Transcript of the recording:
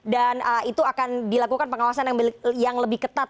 dan itu akan dilakukan pengawasan yang lebih ketat